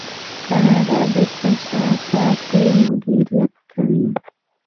کاناډا د کثافاتو مدیریت کوي.